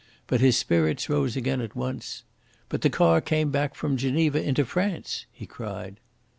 But his spirits rose again at once. "But the car came back from Geneva into France!" he cried.